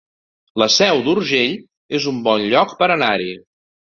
La Seu d'Urgell es un bon lloc per anar-hi